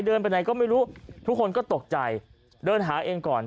ไปไหนก็ไม่รู้ทุกคนก็ตกใจเดินหาเองก่อน